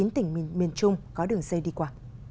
chín tỉnh miền trung có đường dây đi qua